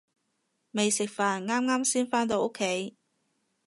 未食飯，啱啱先返到屋企